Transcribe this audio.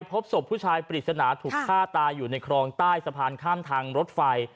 พบศพผู้ชายปริศนาถูกฆ่าตายอยู่ในครองใต้สะพานข้ามทางรถไฟ